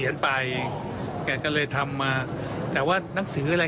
อย่างไรผมก็ต้องกลับ